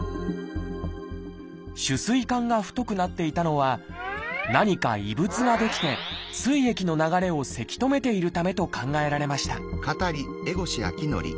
主膵管が太くなっていたのは何か異物が出来て膵液の流れをせき止めているためと考えられました